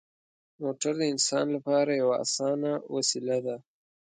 موټر د انسان لپاره یوه اسانه وسیله ده.